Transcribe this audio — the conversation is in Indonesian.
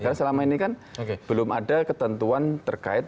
karena selama ini kan belum ada ketentuan terkait